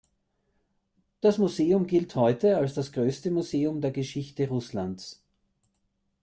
Das Museum gilt heute als das größte Museum der Geschichte Russlands.